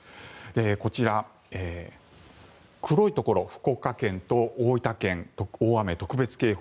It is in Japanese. こちら、黒いところ福岡県と大分県、大雨特別警報。